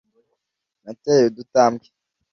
nateye udutambwe